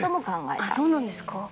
◆そうなんですか。